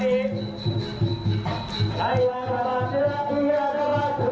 เอออ๋อ